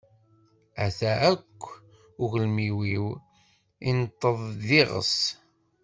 Ata akk uglim-iw, inteḍ-d d iɣes.